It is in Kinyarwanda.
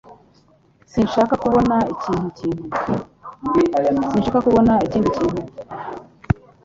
Sinshaka kubona ikindi kintu